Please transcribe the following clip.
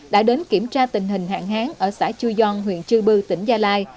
đã đến kiểm tra tình hình hạn hán ở xã chư gion huyện chư bư tỉnh gia lai